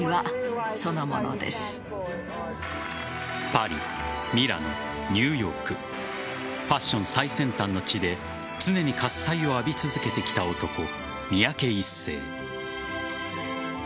パリ、ミラノ、ニューヨークファッション最先端の地で常に喝采を浴び続けてきた男三宅一生。